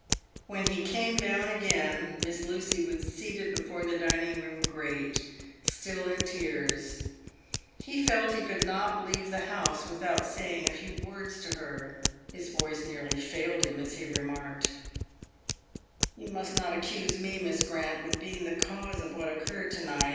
"When he came down again, Miss Lucy was seated before the dining room grate, still in tears. He felt he could not leave the house without saying a few words to her. His voice nearly failed him as he remarked, " You must not accuse me, Miss Grant, with being the cause of what occurred to night.